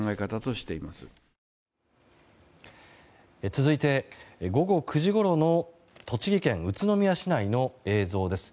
続いて午後９時ごろの栃木県宇都宮市内の映像です。